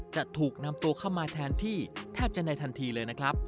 จะถูกนำตัวเข้ามาแทนที่แทบจะในทันทีเลยนะครับ